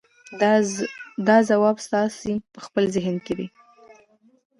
دا ځواب ستاسې په خپل ذهن کې دی.